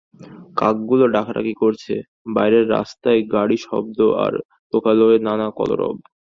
কাকগুলো ডাকাডাকি করছে, বাইরের রাস্তায় গাড়ির শব্দ আর লোকালয়ের নানা কলরব।